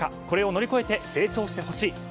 これを乗り越えて成長してほしい。